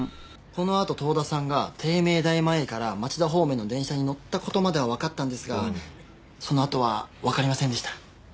このあと遠田さんが帝名大前から町田方面の電車に乗った事まではわかったんですがそのあとはわかりませんでした。